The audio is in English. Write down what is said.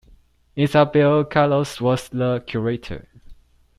Isabel Carlos was the Curator.